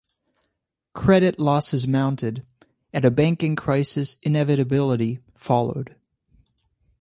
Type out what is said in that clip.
Credit losses mounted and a banking crisis inevitability followed.